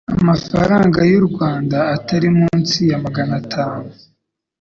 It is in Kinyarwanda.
amafaranga y u rwanda atari munsi yamagana atanu